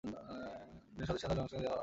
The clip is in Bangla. তিনি স্বদেশী আন্দোলনে অংশ নিতে আরম্ভ করেন।